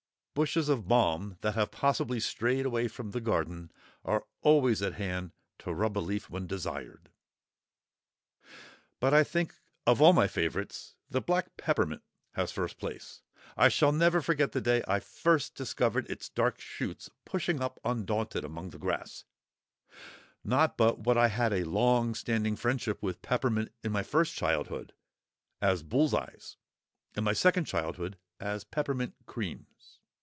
Bushes of balm, that have possibly strayed away from the garden, are always at hand, to rub a leaf when desired. But I think of all my favourites, the black peppermint has first place. I shall never forget the day I first discovered its dark shoots pushing up undaunted among the grass; not but what I had a long standing friendship with peppermint—in my first childhood, as bull's eyes; in my second childhood, as peppermint creams.